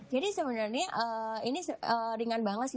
jadi sebenarnya ini ringan banget sih